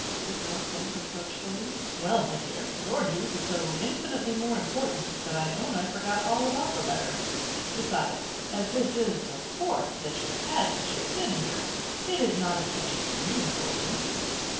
the girl said, reproachfully. "Well, my dear, your news is so infinitely more important, that I own I forgot all about the letter. Besides, as this is the fourth that you have had since you have been here, it is not of such extreme importance."